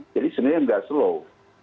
jadi sebenarnya nggak slow